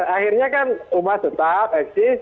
akhirnya kan rumah tetap eksis